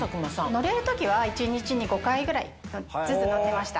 乗れる時は一日に５回ぐらいずつ乗ってました。